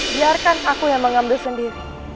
biarkan aku yang mengambil sendiri